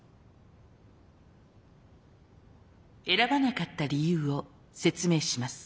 選ばなかった理由を説明します。